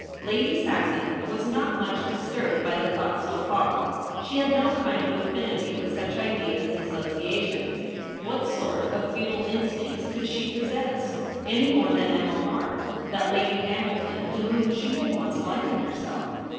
Lady Saxon was not much dis turbed by the thought so far. She had no kind of affinity with such ideas and associa tions. What sort of feudal instincts could she possess, any more than Emma Harte, that Lady Hamilton to whom she had once likened herself?